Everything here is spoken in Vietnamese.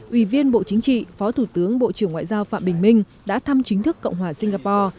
ủy viên bộ chính trị phó thủ tướng bộ trưởng ngoại giao phạm bình minh đã thăm chính thức cộng hòa singapore